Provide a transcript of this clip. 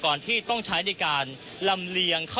คุณทัศนาควดทองเลยค่ะ